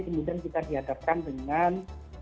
kemudian kita dihadapkan dengan